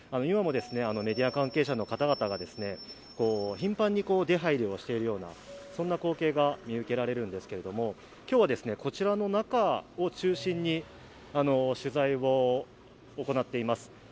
今もメディア関係者の方々が頻繁に出入りをしているような光景が見受けられるんですけれども、今日はこちらの中を中心に、取材を行っています。